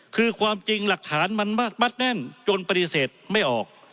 คือความจริงหลักฐานมันมัดแน่นจนปฏิเสธไม่ออก